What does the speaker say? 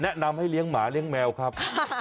แนะนำให้เลี้ยงหมาเลี้ยงแมวครับ